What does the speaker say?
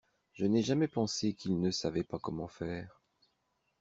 Je n’ai jamais pensé qu’il ne savait pas comment faire.